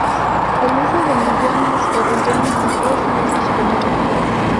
El uso de millones o billones es menos común.